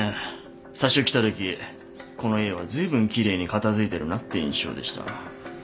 最初来たときこの家はずいぶん奇麗に片付いてるなって印象でした。